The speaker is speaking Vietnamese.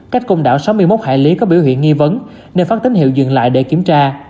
cách công đảo sáu mươi một hải lý có biểu hiện nghi vấn nên phát tín hiệu dừng lại để kiểm tra